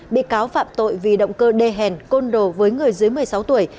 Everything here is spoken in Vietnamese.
bị cáo phạm tội vì động cơ đê hèn côn đồ với người dưới một mươi sáu tuổi